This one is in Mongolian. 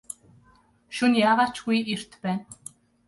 Шөнө яагаа ч үгүй эрт байна.